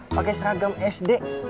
pake seragam sd